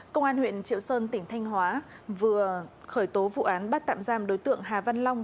công an huyện triệu sơn tỉnh thanh hóa vừa khởi tố vụ án bắt tạm giam đối tượng hà văn long